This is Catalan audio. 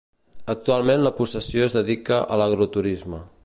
Actualment la possessió es dedica a l'agroturisme.